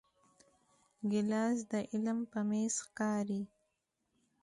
ګیلاس د علم پر میز ښکاري.